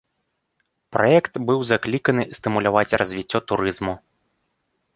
Праект быў закліканы стымуляваць развіццё турызму.